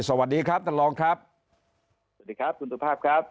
สวัสดีครับท่านรองครับสวัสดีครับคุณสุภาพครับ